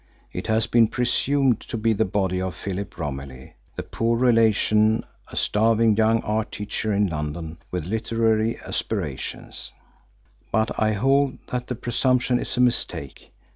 It has been presumed to be the body of Philip Romilly, the poor relation, a starving young art teacher in London with literary aspirations but I hold that that presumption is a mistake.